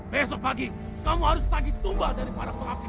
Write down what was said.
besok pagi kamu harus tagi tumba dari para pengabdi